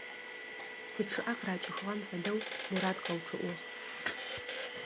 Псы чъыӏэ къыракӏыхыгъэм фэдэу Мурат къэучъыӏыгъ.